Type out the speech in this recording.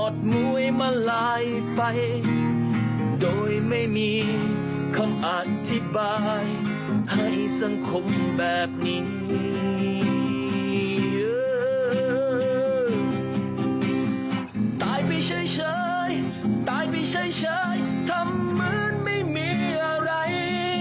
ตายไปเฉยตายไปเฉยทำเหมือนไม่มีอะไร